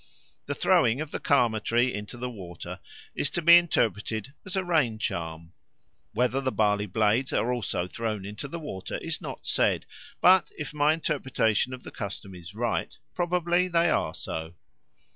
The throwing of the Karma tree into the water is to be interpreted as a rain charm. Whether the barley blades are also thrown into the water is not said; but if my interpretation of the custom is right, probably they are so.